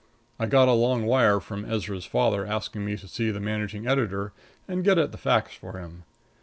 I got a long wire from Ezra's father asking me to see the managing editor and get at the facts for him.